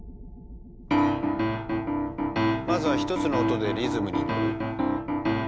まずは１つの音でリズムに乗る。